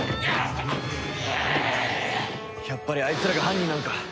やっぱりあいつらが犯人なのか？